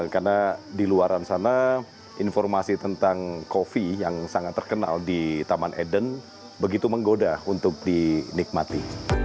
karena di luar sana informasi tentang kopi yang sangat terkenal di taman eden begitu menggoda untuk dinikmati